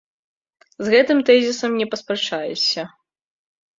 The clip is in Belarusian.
З гэтым тэзісам не паспрачаешся.